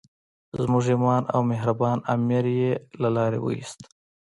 زموږ ایماندار او مهربان امیر یې له لارې وایست.